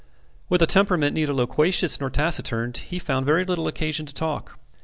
With a temperament neither loquacious nor taciturn he found very little occasion to talk.